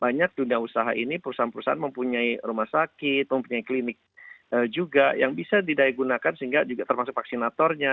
banyak dunia usaha ini perusahaan perusahaan mempunyai rumah sakit mempunyai klinik juga yang bisa didaya gunakan sehingga juga termasuk vaksinatornya